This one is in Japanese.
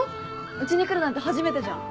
うちに来るなんて初めてじゃん。